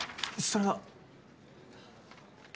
それは。